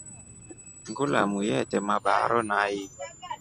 Ngulamu yete mabaaro nai.